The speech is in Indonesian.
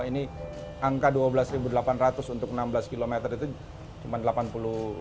ini angka dua belas delapan ratus untuk enam belas km itu cuma rp delapan puluh